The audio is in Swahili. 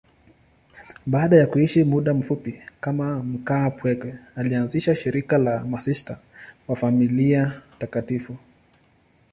Baada ya kuishi muda mfupi kama mkaapweke, alianzisha shirika la Masista wa Familia Takatifu.